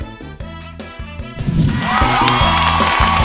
โดยการแข่งขาวของทีมเด็กเสียงดีจำนวนสองทีม